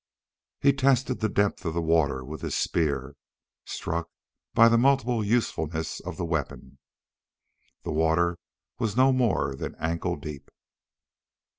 He tested the depth of the water with his spear, struck by the multiple usefulness of the weapon. The water was no more than ankle deep.